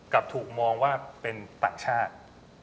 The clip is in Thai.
กลับถูกมองว่าเป็นต่างชาติ